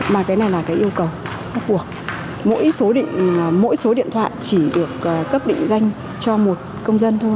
mà cái này là yêu cầu mỗi số điện thoại chỉ được cấp định danh cho một công dân thôi